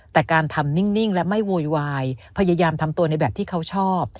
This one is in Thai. แต่การทำนิ่งและไม่โวยวายพยายามทำตัวในแบบที่เขาชอบ